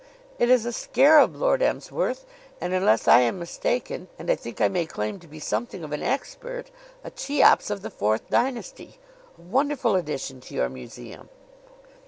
"It is a scarab, Lord Emsworth; and unless I am mistaken and I think I may claim to be something of an expert a Cheops of the Fourth Dynasty. A wonderful addition to your museum!"